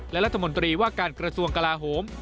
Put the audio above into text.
และรัฐมนตรีว่าการกระทรวงกลาโหม